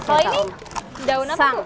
kalau ini daun apa